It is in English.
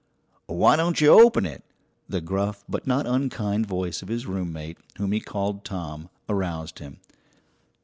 "Why don't you open it?" The gruff but not unkind voice of his roommate, whom he called Tom, aroused him.